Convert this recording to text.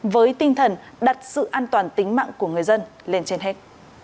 với tinh thần đặt sự an toàn tính mạng của người dân lên trên hết